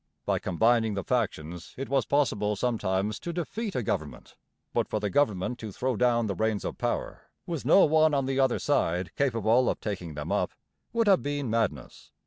By combining the factions it was possible sometimes to defeat a government, but for the government to throw down the reins of power, with no one on the other side capable of taking them up, would have been madness.